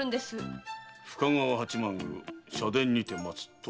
「深川八幡宮社殿にて待つ」